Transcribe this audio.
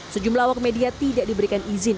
sejumlah wakmedia tidak diberikan izin